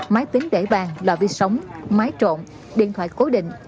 máy tính để bàn là vi sóng máy trộn điện thoại cố định